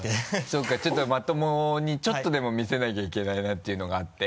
そうかちょっとまともにちょっとでも見せなきゃいけないなっていうのがあって？